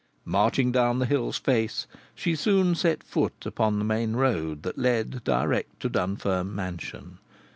Marching down the hill's face, she soon set foot on the main road that led direct to Dunfern Mansion.